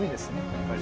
やっぱり。